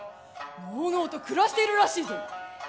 のうのうと暮らしているらしいぞ！